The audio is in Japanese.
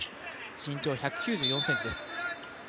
身長１９４ｃｍです。